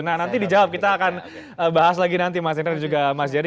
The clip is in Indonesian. nah nanti dijawab kita akan bahas lagi nanti mas indra dan juga mas jadi